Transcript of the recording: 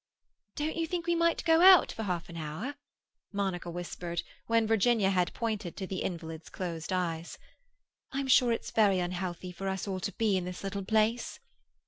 "Don't you think we might go out for half an hour?" Monica whispered, when Virginia had pointed to the invalid's closed eves. "I'm sure it's very unhealthy for us all to be in this little place."